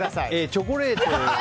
チョコレート。